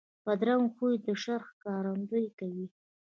بدرنګه خوی د شر ښکارندویي کوي